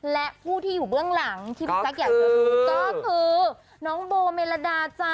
และผู้ที่อยู่เบื้องหลังก็คือน้องโบเมลดาจ้า